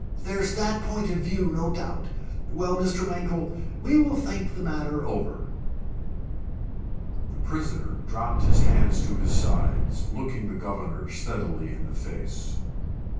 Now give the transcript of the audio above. There's that point of view, no doubt. Well, Mankell, we will think the matter over." The prisoner dropped his hands to his sides, looking the governor steadily in the face.